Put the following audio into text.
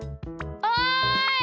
おい！